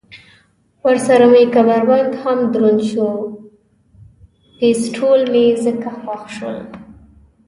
ورسره مې کمربند هم دروند شو، پېسټول مې ځکه خوښ شول.